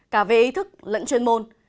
cả về ý thức lẫn chuyên môn